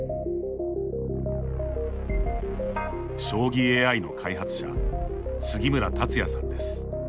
将棋ＡＩの開発者杉村達也さんです。